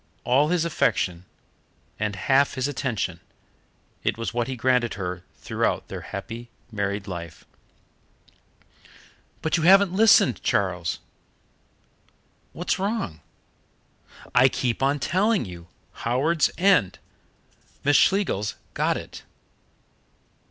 All his affection and half his attention it was what he granted her throughout their happy married life. "But you haven't listened, Charles " "What's wrong?" "I keep on telling you Howards End. Miss Schlegels got it."